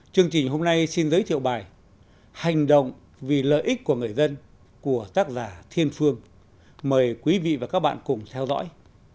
chương trình hôm nay xin giới thiệu bài hành động vì lợi ích của người dân của tác giả thiên phương mời quý vị và các bạn cùng theo dõi